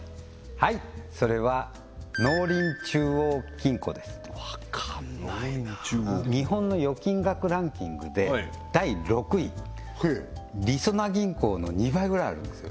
はいそれはわかんないなあ日本の預金額ランキングで第６位りそな銀行の２倍ぐらいあるんですよ